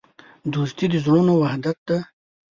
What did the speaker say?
دوستي د زړونو وحدت دی.